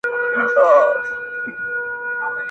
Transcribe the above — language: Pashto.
لکه توپان په مخه کړې مرغۍ -